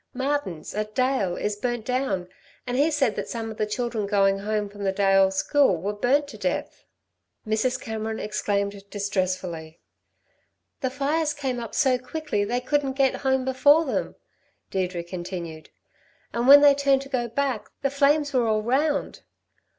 Martin's, at Dale, is burnt down, and he said that some of the children going home from the Dale school were burnt to death." Mrs. Cameron exclaimed distressfully. "The fires came up so quickly they couldn't get home before them," Deirdre continued. "And when they turned to go back the flames were all round.